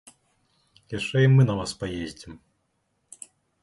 Яшчэ і мы на вас паездзім!